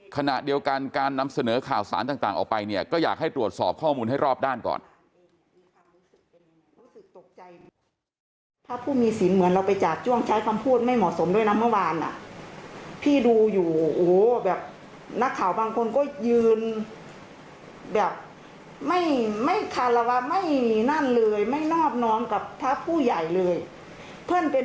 ขณะเดียวกันการนำเสนอข่าวสารต่างออกไปเนี่ยก็อยากให้ตรวจสอบข้อมูลให้รอบด้านก่อน